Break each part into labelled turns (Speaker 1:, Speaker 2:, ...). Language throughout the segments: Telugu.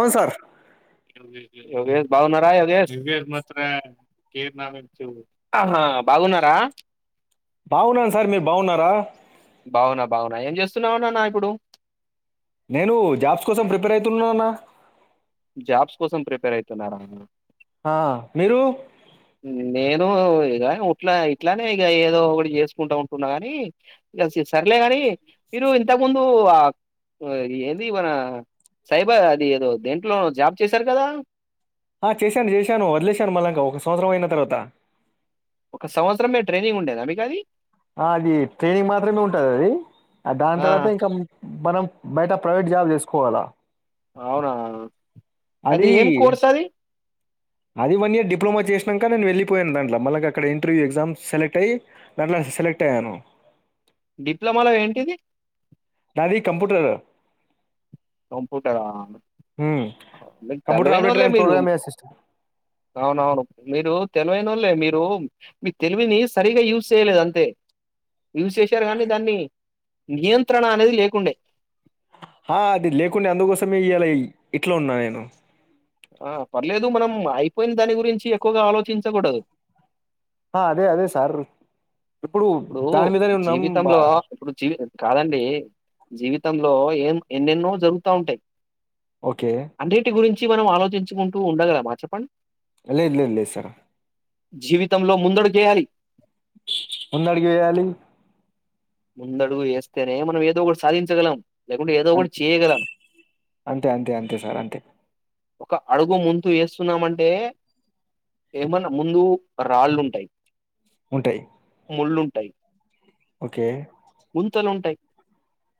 Speaker 1: అవును సార్
Speaker 2: యోగేష్ బాగున్నారా యదేశ్. ఆహ్ బాగున్నారా.
Speaker 1: బాగున్నాను సార్ మీరు బాగున్నారా
Speaker 2: ఏం చేస్తున్నావు అన్నన ఇప్పుడు.
Speaker 1: నేను జాబ్స్ కోసం ప్రిపేర్ అవుతున్నానా
Speaker 2: జాబ్స్ కోసం ప్రిపేర్ అయితున్నారా నేను.
Speaker 1: ఆహ్ మీరు.
Speaker 2: నేను ఇగ ఇట్లా ఇట్లానే ఇక ఏదో ఒకటి చేసుకుంటా ఉంటున్నా గాని ఇంక సర్లే కాని మీరు ఇంతకు ముందు ఆహ్ ఏంది మన సైబర్ అది ఏదో దేంట్లో జాబ్ చేశారు కదా.
Speaker 1: ఆ చేశాను చేశాను వదిలేశాను మళ్ళాంక ఒక సంవత్సరం అయిన తర్వాత
Speaker 2: ఒక సంవత్సరం మీము ట్రైనింగ్ ఉండేన మీకది
Speaker 1: ఆ అది ట్రైనింగ్ మాత్రమే ఉంటది అది దాని
Speaker 2: ఆ,
Speaker 1: తర్వాత ఇంకా మనం బయట ప్రైవేట్ జాబ్ చేసుకోవాలా
Speaker 2: అవునా అది ఏం కోర్స్ అది
Speaker 1: అది వన్ ఇయర్ డిప్లలోమా చేసినాక నేను వెళ్ళిపోయాను దాంట్ల మళ్ళకి అక్క ఇంటర్్యూ ఎగ్జమ్ సెలెక్ట్ అయ్యి దాంట్ల సెలెక్ట్ అయ్యాను
Speaker 2: డిప్లొమాలో ఏంటిది
Speaker 1: నాది కంప్యూటర్
Speaker 2: కంప్యూటర్ ఆ
Speaker 1: కంప్యూటర్
Speaker 2: తెలవైన
Speaker 1: ఆపరేటర్
Speaker 2: వాళ్ళే
Speaker 1: అండ్
Speaker 2: మీరు
Speaker 1: ప్రోగ్రామ్ అసిస్టెంట్
Speaker 2: అవునవును మీరు తెలివైన వాళ్లే మీరు మీ తెలివిని సరిగా యూజ్ చేయలేదు అంతే యూజ్ చేశారు కానీ దాన్ని నియంత్రణ అనేది లేకుండే
Speaker 1: ఆ అది లేకుంటే అందుకోసమే ఇయలా యి ఇట్లున్నా నేను
Speaker 2: ఆ పర్లేదు మనం అయిపోయిన దాని గురించి ఎక్కువగా ఆలోచించకూడదు
Speaker 1: ఆ అదే అదే సార్
Speaker 2: ఇప్పుడు
Speaker 1: దాని మీదనే ఉన్నాం బా
Speaker 2: జీవితంలో ఇప్పుడు జీవ్ కాదండి జీవితంలో ఏం ఎన్నెన్నో జరుగుతా ఉంటాయి
Speaker 1: ఓకే
Speaker 2: అన్నింటి గురిం చి మనం ఆలోచించుకుంటూ ఉండగలమా చెప్పండి
Speaker 1: లెద్ లెద్ లెద్ సరు
Speaker 2: జీవితంలో ముందడుగు వేయాలి
Speaker 1: ముందడుగు వేయాలి
Speaker 2: ముందడుగు వేస్తేనే మనం ఏదో ఒకటి సాధించగలం లేకుంటే ఏదో
Speaker 1: అన్
Speaker 2: ఒకటి చేయగలం
Speaker 1: అంతే అంతే అంతే సార్ అంతే
Speaker 2: ఒక అడుగు ముందు ఏస్తున్నామంటే ఏమన్నా ముందు రాళ్ళుంటాయి
Speaker 1: ఉంటాయి
Speaker 2: ముళ్ళుంటాయి
Speaker 1: ఓకే
Speaker 2: గుంతలుంటాయ్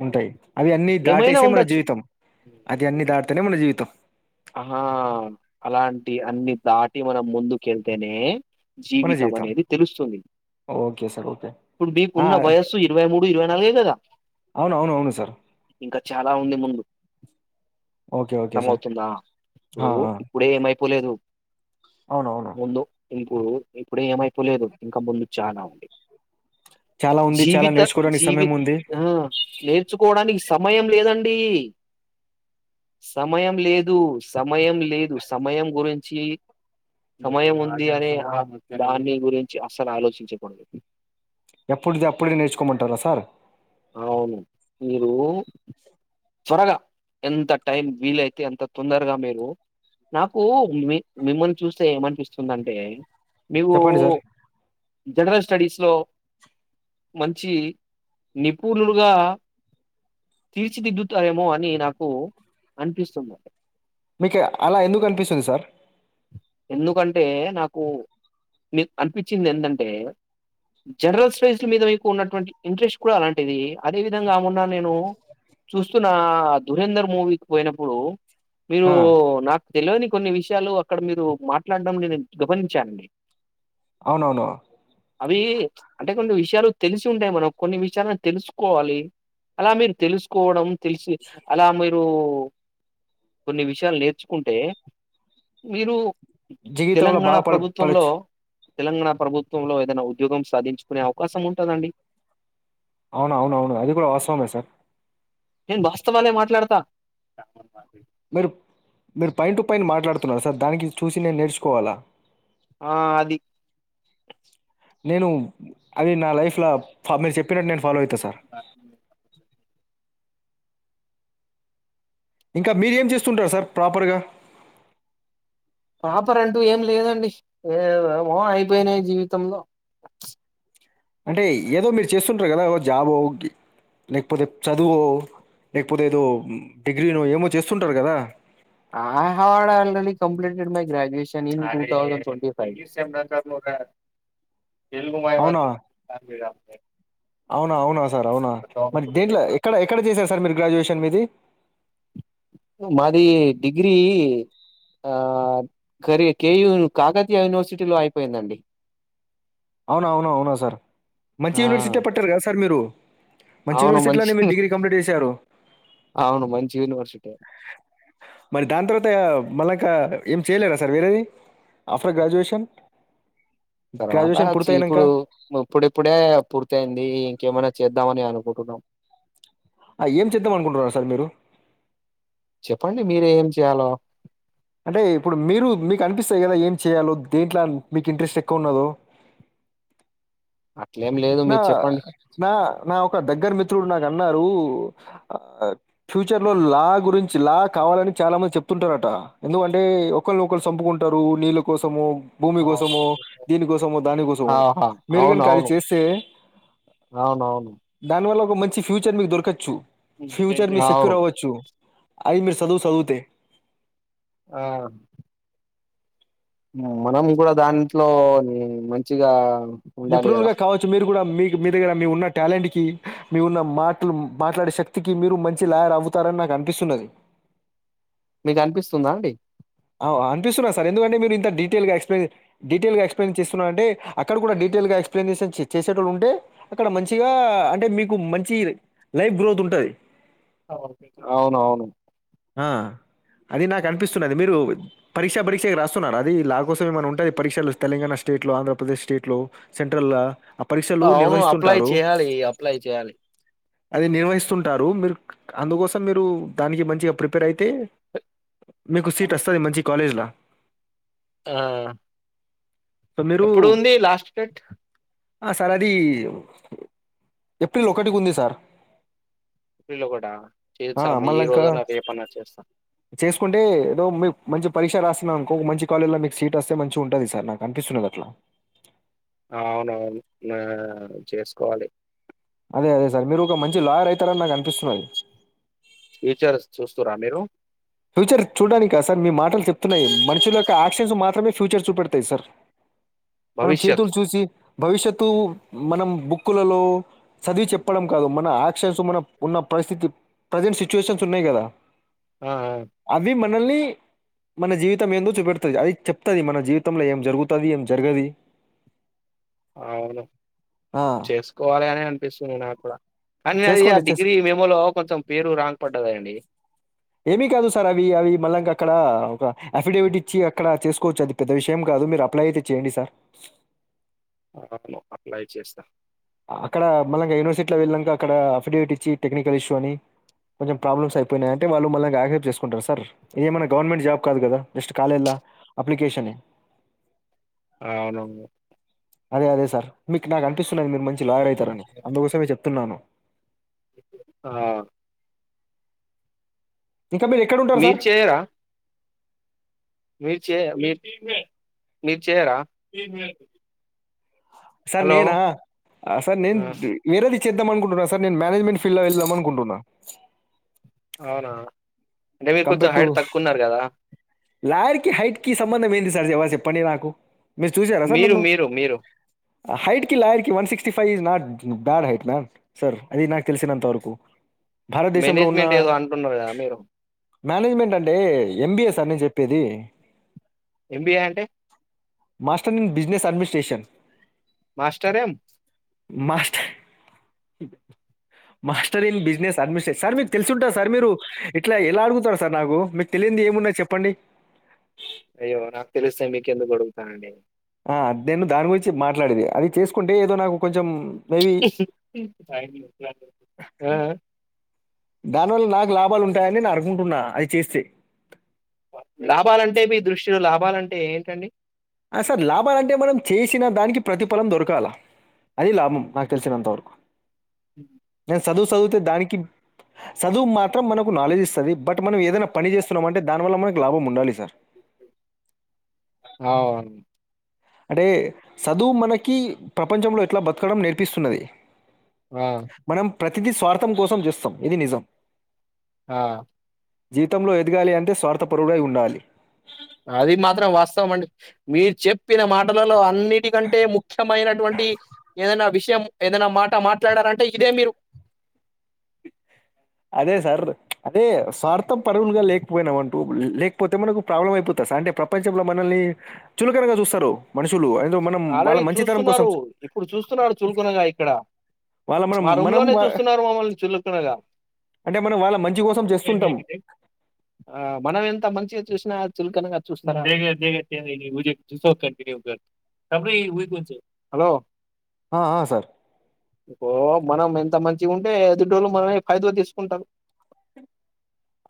Speaker 1: ఉంటాయి అవి అన్నీ దాటేస్తే మన
Speaker 2: ఉండొచ్చు
Speaker 1: జీవితం అది అన్నిీ దాటితేనే మన జీవితం
Speaker 2: ఆహా అలాంటి అన్నిీ దాటి మనం ముందుకేళ్తేనే జీవితం అనేది తెలుస్తుంది
Speaker 1: ఓకే సార్ ఓకే
Speaker 2: ఇప్పుడు
Speaker 1: ఆ
Speaker 2: మీకున్న వయస్సు ఇరవై మూడు ఇరవై నాలుగే దా
Speaker 1: అవున అవును అవును సార్
Speaker 2: ఇంకా చాలా ఉంది ముందు
Speaker 1: ఓకే ఓకే సార్
Speaker 2: అర్థమవుతుందా ఇప్పుడు ఇప్పుడే ఏంఐపోలే దు
Speaker 1: అవునవును
Speaker 2: ఇంకు ఇప్పుడు ఏమైపోలేదు ఇంకా ముందు చాన ఉంది
Speaker 1: చాలా ఉంది చాలా
Speaker 2: జీవిత
Speaker 1: నేర్చుకోవడానికి
Speaker 2: జీవి
Speaker 1: సమయం ఉంది
Speaker 2: ఆ నేర్చుకోవడానికి సమయం లేదండి సమయం లేదు సమయం లేదు సమయం గురించి సమయం ఉంది అనే ఆ దాని గురించి అసలు ఆలోచించకూడదు
Speaker 1: ఎప్పుడుది అప్పుడే నేర్చుకోమంటారా సార్
Speaker 2: అవును మీరు త్వరగా ఎంత టైం వీలయితే ఎంత తొందరగా మీరు నాకు మిమ్మల్ని చూస్తే ఏమనిపిస్తుందింటే మీవు
Speaker 1: చెప్పండి సార్
Speaker 2: జనరల్ స్టడీస్ లో మంచి నిపుణణులుగా తీర్చిదిద్దుతారేమో అని నాకు అనిపిస్తుంది
Speaker 1: మీకు అలా ఎందుకు అనిపిస్తుంది సార్
Speaker 2: ఎందుకంటే నాకు మీకు అనిపించింది ఎంటంటే జనరల్ స్టడీస్ మీద మీకు ఉన్నటువంటి ఇంట్రెస్ట్ కూడా అలాంటిది అదే విధంగా మన్న నేను చూస్తున్న ధురేందర్ మూవీకి పోయినప్పుడు మీరు
Speaker 1: ఆ
Speaker 2: నాకు తెలియని కొన్ని విషయాలు అక్కడ మీరు మాట్లాడడం నేను గమనించానండి
Speaker 1: అవునవును
Speaker 2: అవి అంటే కొన్ని విష చాలు తెలిసి ఉంటాయి మనకు కొన్ని విషయాలను తెలుసుకోవాలి అలా మీరు తెలుసుకోవడం తెలిసి అలా మీరు కొన్ని విషయాలు నేర్చుకుంటే మీరు
Speaker 1: జీవితంలో
Speaker 2: తెలంగాణ
Speaker 1: బాగుపడ
Speaker 2: ప్రభుత్వంలో
Speaker 1: పడొచ్చు
Speaker 2: తెలంగాణ ప్రభుత్వంలో ఏదైనా ఉద్యోగం సాధించుకునే అవకాశం ఉంటందండి
Speaker 1: అవున అవున అవును అది కూడా వాస్తవమే సార్
Speaker 2: నేను వాస్తవాలే మాట్లాడతా
Speaker 1: మీరు మీరు పైన టు పైైన మాట్లాడుతున్నారు సార్ దానికి చూసి నేను నేర్చుకోవాలా
Speaker 2: ఆ అది
Speaker 1: నేను అది నా లైఫ్ లో మీరు చెప్పినట్టు నేను ఫాలో అయితా సార్ ఇంకా మీరేం చేస్తుంటారుా సార్ ప్రాపర్గా
Speaker 2: ప్రపర్ రంటూ ఏం లేదండి ఏమో అయిపోయినాయి జీవితంలో
Speaker 1: అంటే ఏదో మీరు చేస్తుంటారు కదా జాబో లేకపోతే చదువు లేకపోతే ఏదో డిగ్రీనో ఏమో చేస్తుంటారు కదా
Speaker 2: ఆ హవవాడా I'll complete my graduation in two thousand ట్వ ఫైవ్ తెల్గు మాయ మా
Speaker 1: అవునా అవునా అవునా సార్ అవునా మరి దేంట్లో ఎక్కడ ఎక్కడ చేశారు సార్ మీరు గ్రాడ్యుయేషన్ మీది
Speaker 2: మాది డిగ్రీ కేయూ కాకతీయ యూనివర్సిటీలో అయిపోయిందండి
Speaker 1: అవునా అవున అవునా సార్ మంచి
Speaker 2: ఆ
Speaker 1: యూనివర్సిటీ పట్టారు కదా సార్ మీరు మంచి యూనివర్సిటీలోనే మీరు డిగ్రీ కంప్లీట్ చేశారు
Speaker 2: అవును మంచి యూనివర్సిటీ
Speaker 1: మరి దాని తర్వాత మళ ఇకా ఏం చేయలేరా సార్ వేరేది ఆఫ్టర్ గ్రాడ్యుయేషన్
Speaker 2: తర్వాత
Speaker 1: గ్రాడ్యుయేషన్
Speaker 2: చి
Speaker 1: పూర్తయినంక
Speaker 2: ఇప్పుడు ఇప్పుడప్పుడే పూర్తయిందీ ఇంకేమైనా చేద్దామని అనుకుటున్నాం
Speaker 1: ఆ ఏం చేద్దాం అనుకుంటున్నారు సార్ మీరు
Speaker 2: చెప్పండి మీరే ఏం చేయాలో
Speaker 1: అంటే ఇప్పుడు మీరు మీకు అనిపిస్తాయి గదా, ఏం చేయాలో దేంట్ల మీకు ఇంట్రెస్ట్ ఎక్కువ ఉన్నదో.
Speaker 2: అట్లేం లేదు
Speaker 1: నా
Speaker 2: మీరు చెప్పండి
Speaker 1: నా నా ఒక దగ్గర మిత్ త్రుడు నాకు అన్నారూ, ఆ ఫ్యూచర్ లో లా గురించి లా కావాలని చాలా మంది చెప్తుంటారట. ఎందుకంటే, ఒకల్నొకల్ సంపుకుంటారు నీళ్ళ కోసము. భూమి కోసమో, దీనికోసమో, దానికోసమో,
Speaker 2: ఆహా
Speaker 1: మీరుగాని ఖాళీ
Speaker 2: అవునవును
Speaker 1: చేస్. తే
Speaker 2: అవునవును
Speaker 1: దాని వల్ల ఒక మంచి ఫ్యూచర్ మీకు దొరకచ్చు ఫ్యూచర్ మీ
Speaker 2: అవును
Speaker 1: సెక్యూర్ అవ్వచ్చు అయి మీరు సదువు సదువుతే
Speaker 2: ఆ మనం గూడా దాంట్లోనీ మంచిగా ఉండాలి కదా
Speaker 1: నిపుణులుగా కావచ్చు మీరు గూడా మీకు మీ దగ్గర మీ ఉన్న టాలెంట్ కీ, మీ ఉన్న మాటలు మాట్లాడే శక్తికి, మీరు మంచి లాయర్ అవవుతారని నాకు అనిపిస్తున్నది.
Speaker 2: మీకు అనిపిస్తుందా అండి
Speaker 1: అవ్ అ అనిపిస్తున్నా సార్. ఎందుకంటే, మీరు ఇంత డీటేయిల్గా ఎక్స్ప్లెరి, డీటెయిల్గా ఎక్స్ప్లెయిన్ చేస్తున్న అంటే అక్కడ గూడా డీటెయిల్గా ఎక్స్ప్లెయినేషన్ చె చేసేటోడు ఉంటే అక్కడ మంచిగా, అంటే మీకు మంచి లైఫ్ గ్రోత్ ఉంటది.
Speaker 2: అవునవును
Speaker 1: ఆ అది నాకు అనిపిస్తున్నది మీరు పరీక్ష, బరీక్ష రాస్తున్నారా అదీ లా కోసం ఏమన ఉంటే పరీక్షలు తెలంగాణ స్టేట్లో, ఆంధ్రప్రదేశ్ స్టేట్లో సెంట్రల్లా. అ
Speaker 2: అవును అప్లై చేయాలి అప్లై చేయాలి
Speaker 1: అది నిర్వహిస్తుంటారు మీరు అందుకోసం మీరు దానికి మంచిగా ప్రిపేర్ అయితే తెస్తది మంచి కాలేజ్ లా
Speaker 2: ఆ
Speaker 1: సో, మీరు
Speaker 2: ఎప్పుడు ఉంది లాస్ట్ డేట్
Speaker 1: ఆ సార్ అదీ ఏప్రిల్ ఒకటికి ఉంది సార్
Speaker 2: ప్రిల్లో గూడా
Speaker 1: ఆ!
Speaker 2: చేచ్చాం ఈ
Speaker 1: మళ్ళా ఇంకా
Speaker 2: రోజన్న రేపన్నా చేస్తా
Speaker 1: చేసుకుంటే, ఏదో మీ మంచి పరీక్ష రాసినా అంకో మంచి కాలేల్ల మీకు సీట్ ఒస్తే మంచిగ ఉంటది సార్, నాకు అనిపిస్తున్నది అట్లా.
Speaker 2: అవునవును నా చేస్కోవాలి
Speaker 1: అదే అదే సార్, మీరు ఒక మంచి లాయర్ అయితారని నాకు అనిపిస్తున్నది.
Speaker 2: ఫీచర్స్ చూస్తుర్రా మీరు
Speaker 1: ఫ్యూచర్ చూడ్డానికా సార్, మీ మాటలు చెప్తున్నాయి. మనుషులకు యాక్షన్స్ మాత్రమే ఫ్యూచర్ చూపెడతాయి సార్. మనం
Speaker 2: భవిష్యత్
Speaker 1: చేతులు చూసి భవిష్యత్తూ మనం బుక్కులలో చదివి చెప్పడం కాదు మన యాక్షన్సు మన ఉన్న పరిస్థితి ప్రజెంట్ సిచ్యువేషన్స్ ఉన్నయ్ గదా
Speaker 2: ఆ ఆ
Speaker 1: ల్నీ మన జీవితం ఏందొ చూపెడుతద్ అది చెప్తది మన జీవితంలో ఏం జరుగుతది ఏం జరగది
Speaker 2: అవును
Speaker 1: ఆ,
Speaker 2: చేసుకోవాలెగనే అనిపిస్తుంది నాకుడ [inaudible] అది ఆ
Speaker 1: చేసుకోండి
Speaker 2: డిగ్రీ
Speaker 1: చేసుకో
Speaker 2: మేమోలో కొంచెం పేరు రాంగ్ పడ్డదండి
Speaker 1: ఏమీ కాదు సార్ అవి అవి మళ్ళాంక అక్కడ ఒక అఫిడేవిట్ ఇచ్చి అక్కడ చేసుకోవచ్చు అది పెద్ద విషయం కాదు మీరు అప్లై అయితే చేయండి సార్
Speaker 2: అను అప్లై చేస్తా
Speaker 1: అక్కడ మళ్లగా యూనివర్సిటీలో వెళ్ళాక అక్కడ అఫిడేవిట్ ఇచ్చి టెక్నికల్ ఇష్యూ అని కొంచెం ప్రాబ్లమ్స్ అయిపోయినాయియంటే వాళ్ళు మళ్ళగా యాక్సెప్ట్ చేసుకుంటారు సార్ ఇది ఏమైనా గవర్నమెంట్ జాబ్ కాదు కదా జస్ట్ కాలేళ అప్లికేషనే
Speaker 2: ఆవునను
Speaker 1: అదే అదే సార్ మీక్ నాక్ అనిపిస్తుంద్ మీర్ మంచి లాయర్ ఐతారని అందుకోసమే చెప్తున్నాను
Speaker 2: ఆ
Speaker 1: ఇంకా మీరు ఎక్కడ ఉంటారు
Speaker 2: మీ
Speaker 1: సార్
Speaker 2: చేయరా మీర్చీ మీర్ మి చేేేయరా
Speaker 1: సార్ నేనా సార్ నేన్
Speaker 2: ఆ!
Speaker 1: వేరెది చేద్దామనుకుంటున సార్ నేన్ మానేజ్మెంట్ ఫిల్ లో వెళ్దామనుకుంటన్నా
Speaker 2: ఔనా అంటే మీరు కొంచెం
Speaker 1: కంపేర్ టు
Speaker 2: హైడ్ తక్కువ ఉన్నార్ గదా
Speaker 1: లాయర్కి హైట్ కి సంబందం ఏంది సార్ జవ చెప్పండి నాకు
Speaker 2: మీరు మీరు మీరు
Speaker 1: హైట్ కి లాయర్ కి one sixty five is not bad height man sir అది నాక్ తెలిసినంత వరకు భారతదేశంలో ఉన్న
Speaker 2: మేనేజ్మెంట్ ఏదో అంటున్నారు కదా మీరు
Speaker 1: మేనేజ్మెంట్ అంటే ఎంబిఎ స అని నే చెప్పి ప్పేది
Speaker 2: ఎంబిఏ అంటే
Speaker 1: master in business administration
Speaker 2: master M
Speaker 1: master master in business administration sir తెలుసుంటా సార్ మీరు ఇట్ల ఎలా అడుగుతారు సార్ నాకు మీకు తెలియంది ఏమున్నాయ్ చెప్పండి
Speaker 2: అయ్యో నాకు తెలిస్తే మీకెందుకు అడుగుతానండి
Speaker 1: ఆ నేను దాని గురించి మాట్లాడెది అది చేసుకుంటె ఏదొ నాకు కొంచెం మేబీ
Speaker 2: ఆ
Speaker 1: దానివల్ల నాకు లాభాలు ఉంటాయని నేను అనుకుంటున్నా అది చేస్తే
Speaker 2: లాభాలంటే మీ దృష్టిలో లాభాల టే ఏంటండి
Speaker 1: ఆ సార్ లాభాలంటే మనం చేసిన దానికి ప్రతిఫలం దొరకాల అది లాభం నాకు తెలిసినంతవరకు న సదువు సదువుతే దానికి సదువు మాత్రం మనకు నాలెడ్జ్ ఇస్తుంది బట్ మనం ఏదైనా పని చేస్తున్నామ అంటే దానివల్ల మనకు లాభం ఉండాలి సార్
Speaker 2: అవును
Speaker 1: అంటే చదువు మనకి ప్రపంచంలో ఎట్లా బతకడం నేర్పిస్తున్నది
Speaker 2: ఆ
Speaker 1: ప్రతిది స్వార్థం కోసం చేస్తాం ఇది నిజం
Speaker 2: ఆ
Speaker 1: జీవితంలో ఎదగాలి అంటే స్వార్థపరుడై ఉండాలి
Speaker 2: అది మాత్రం వాస్తవం అండి మీరు చెప్పిన మాటలలో అన్నిటికంటే ముఖ్యమైనటువంటి ఏదనా విషయం ఏదైనా మాట మాట్లాడారంటే ఇదే మీరు
Speaker 1: అదే సార్ అదే స్వార్థం పరువులుగా లేకపోయినా అంటూ లేకపోతే మనకు ప్రాబ్లం అయిపోతంది సార్ అంటే ప్రపంచంలో మనల్ని చులకనగా చూస్తారు మనుషు
Speaker 2: ఆల్రెడీ చూస్తున్నారు ఇప్పుడు చూస్తున్నారు చులుకునగా ఇక్కడ
Speaker 1: వాళ్ళ మనం
Speaker 2: మా రూమ్
Speaker 1: మనం
Speaker 2: లోనే
Speaker 1: వా-
Speaker 2: చూస్తున్నారు మమ్మల్ని చులుకునగా
Speaker 1: అంటే మనం వాళ్ళ మంచి కోసం చేస్తుంటాం.
Speaker 2: ఆ మనం ఎంత మంచిగా చూసినా చుల్కనగా [unintelligible] హలో
Speaker 1: ఆ, ఆ, సార్
Speaker 2: ఓ మన మెన్ ఇంత మంచిగా ఉంటే ఎదిటోల్లు మనల్ని పరిధిలోకి తీసుకుంటారు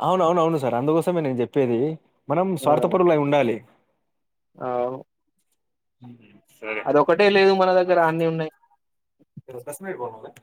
Speaker 1: అవును అవును సార్ అందుకోసమే నేను చెప్పేది మనం స్వార్థపరులై ఉండాలి
Speaker 2: ఆవు
Speaker 1: హ
Speaker 2: అదొక్కటే లేదు మన దగ్గర అన్ని ఉన్నాయి
Speaker 1: సరే